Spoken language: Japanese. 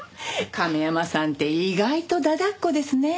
亀山さんって意外と駄々っ子ですね。